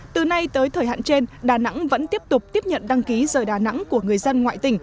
từ nay tới thời hạn trên đà nẵng vẫn tiếp tục tiếp nhận đăng ký rời đà nẵng của người dân ngoại tỉnh